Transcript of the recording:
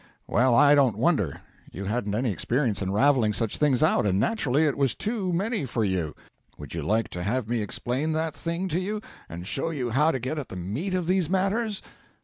Well, I don't wonder. You hadn't any experience in ravelling such things out, and naturally it was too many for you. Would you like to have me explain that thing to you, and show you how to get at the meat of these matters?'